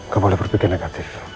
kau boleh berpikir negatif